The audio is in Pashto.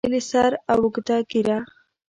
خریلي سر او اوږده ږیره